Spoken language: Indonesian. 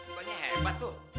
makannya hebat tuh